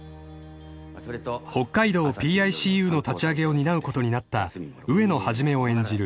［北海道ＰＩＣＵの立ち上げを担うことになった］